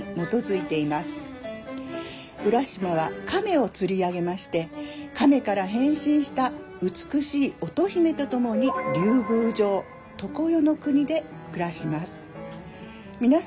浦島は亀を釣り上げまして亀から変身した美しい乙姫と共に竜宮城常世の国で暮らします。